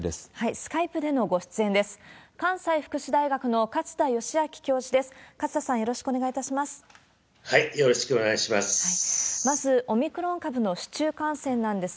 スカイプでのご出演です。